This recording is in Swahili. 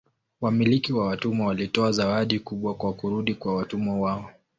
Wamiliki wa watumwa walitoa zawadi kubwa kwa kurudi kwa watumwa wao.